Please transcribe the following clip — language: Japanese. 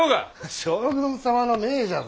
将軍様の命じゃぞ。